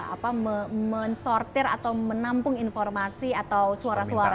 apa men sortir atau menampung informasi atau suara suara